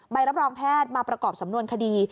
ใบรับรองแพทย์มาประกอบสำนวนคดี